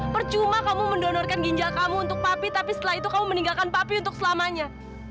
percuma kamu mendonorkan ginjal kamu untuk papi tapi setelah itu kamu meninggalkan papi untuk selamanya